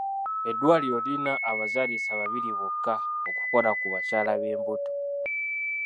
Eddwaliro lirina abazaalisa babiri bokka okukola ku bakyala b'embuto.